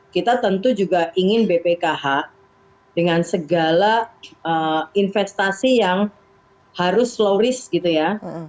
kita tentu juga ingin bpkh dengan segala investasi yang harus low risk gitu ya